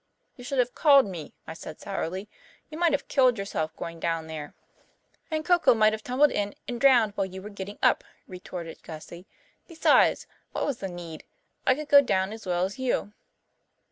"You should have called me," I said sourly. "You might have killed yourself, going down there." "And Coco might have tumbled in and drowned while you were getting up," retorted Gussie. "Besides, what was the need? I could go down as well as you."